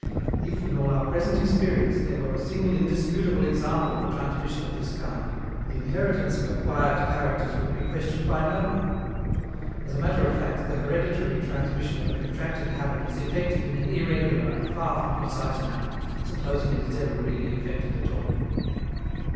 If, in all our present experience, there were a single indisputable example of a transmission of this kind, the inheritance of acquired characters would be questioned by no one. As a matter of fact, the hereditary transmission of a contracted habit is effected in an irregular and far from precise manner, supposing it is ever really effected at all.